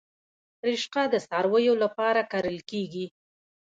رشقه د څارویو لپاره کرل کیږي